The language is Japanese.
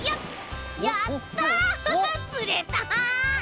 やった！つれた！